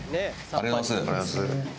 ありがとうございます。